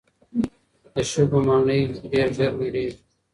د شګو ماڼۍ ډېر ژر نړېږي.